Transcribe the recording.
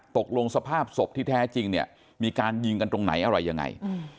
ตกลงสภาพศพที่แท้จริงเนี่ยมีการยิงกันตรงไหนอะไรยังไง